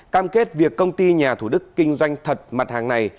cam kết việc công ty nhà thủ đức kinh doanh thật mặt hàng này